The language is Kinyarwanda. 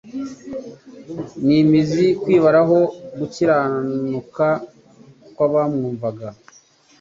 n'imizi kwibaraho gukiranuka kw'abamwumvaga;